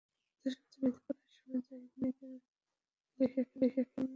দশম শ্রেণিতে পড়ার সময় জাহিদ নিজেই লিখে ফেলেন বই—এসো ধূমকেতুর রাজ্যে।